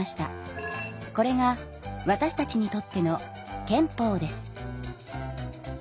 これがわたしたちにとっての憲法です。